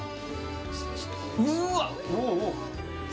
うわっ！